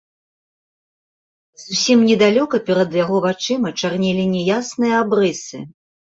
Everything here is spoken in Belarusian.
Зусім недалёка перад яго вачыма чарнелі няясныя абрысы.